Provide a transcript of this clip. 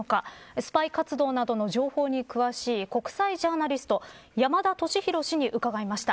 スパイ活動などの情報に詳しい国際ジャーナリスト山田敏弘氏に伺いました。